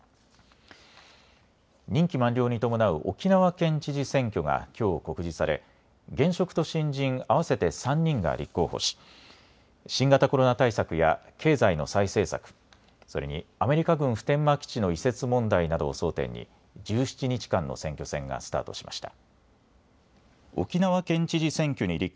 任期満了に伴う沖縄県知事選挙がきょう告示され現職と新人合わせて３人が立候補し、新型コロナ対策や経済の再生策、それにアメリカ軍普天間基地の移設問題などを争点に１７日間の選挙戦がスタートしました。